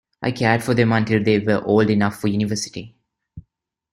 I cared for them until they were old enough for University.